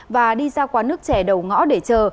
và đi ra quán nước trẻ đầu ngõ để chờ